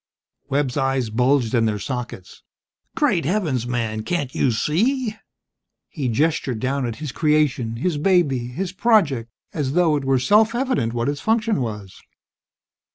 Webb's eyes bulged in their sockets. "Great heavens, man, can't you see?" He gestured down at his creation, his baby, his project, as though it were self evident what its function was.